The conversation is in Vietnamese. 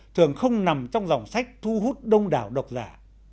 thường không nằm trong dòng sách thu hút đông đảo độc giả